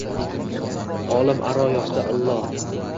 Olam aro yoqdi, illo